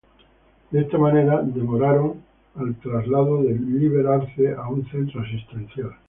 De esta manera demoraron el traslado de Líber Arce a un centro asistencial.